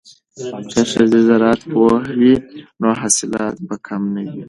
که ښځې زراعت پوهې وي نو حاصلات به کم نه وي.